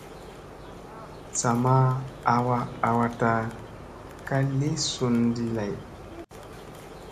Sa ma awa awata ka li sun ɗi lay.